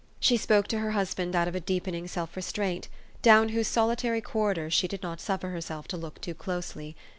She spoke to her husband out of a deepening self restraint, down whose solitary corridors she did not suffer herself to look too closely.